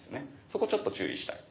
そこちょっと注意したい。